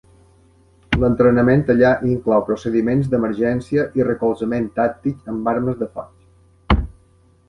L' entrenament allà inclou procediments d'emergència i recolzament tàctic amb armes de foc.